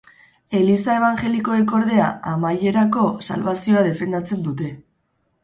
Eliza ebanjelikoek, ordea, amaierako salbazioa defendatzen dute.